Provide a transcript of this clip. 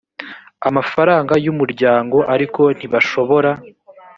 amafaranga y umuryango ariko ntibashobora